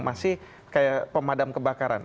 masih kayak pemadam kebakaran